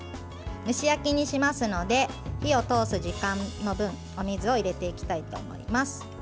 蒸し焼きにしますので火を通す時間の分お水を入れていきたいと思います。